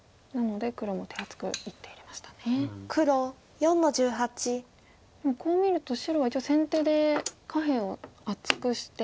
でもこう見ると白は一応先手で下辺を厚くして打てましたか。